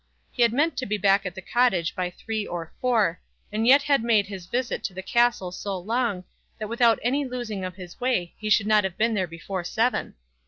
He had meant to be back at the Cottage by three or four, and yet had made his visit to the castle so long, that without any losing of his way he could not have been there before seven.